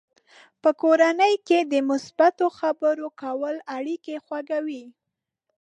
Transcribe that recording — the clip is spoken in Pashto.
په کورنۍ کې د مثبتو خبرو کول اړیکې خوږوي.